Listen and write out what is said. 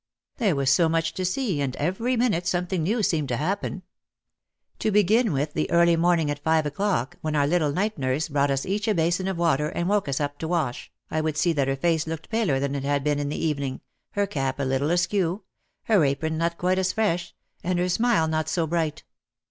There was so much to see and every minute something new seemed to happen. To begin with the early morning at five o'clock, when our little night nurse brought us each a basin of water and woke us to wash, I would see that her face looked paler than it had been in the evening, her cap a little askew, her apron not quite as fresh, and her smile not so bright.